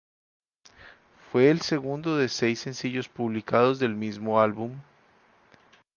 Fue el segundo de seis sencillos publicados del mismo álbum.